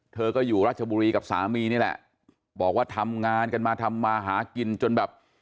เธอก็อยู่ราชบุรีกับสามีนี่แหละบอกว่าทำงานกันมาทำมาหากินจนแบบ